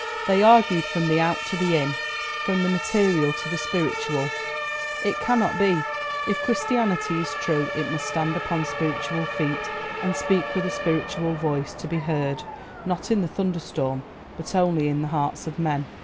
They argued from the Out to the In, from the material to the spiritual. It cannot be; if Christianity is true it must stand upon spiritual feet and speak with a spiritual voice, to be heard, not in the thunderstorm, but only in the hearts of men.